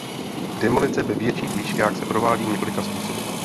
Demolice ve větších výškách se provádí několika způsoby.